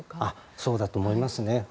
そうだと思いますね。